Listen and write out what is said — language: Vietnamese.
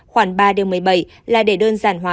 khoảng ba điều một mươi bảy là để đơn giản hóa